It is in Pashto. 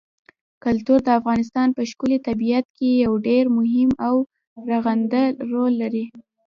کلتور د افغانستان په ښکلي طبیعت کې یو ډېر مهم او رغنده رول لري.